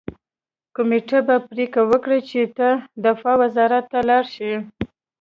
کمېټه به پریکړه وکړي چې ته دفاع وزارت ته لاړ شې